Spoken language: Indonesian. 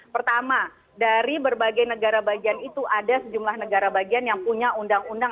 pertama dari berbagai negara bagian itu ada sejumlah negara bagian yang punya undang undang